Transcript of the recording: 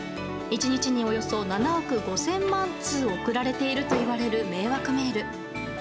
１日におよそ７億５０００万通送られているといわれる迷惑メール。